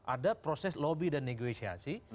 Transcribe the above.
ada proses lobby dan negosiasi